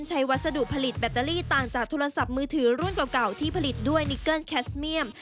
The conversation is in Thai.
วัสดุผลิตแบตเตอรี่ต่างจากโทรศัพท์มือถือรุ่นเก่าที่ผลิตด้วยนิเกิ้ลแคสเมียม